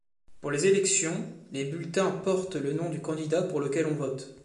Pour les élections, les bulletins portent le nom du candidat pour lequel on vote.